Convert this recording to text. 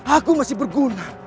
aku masih berguna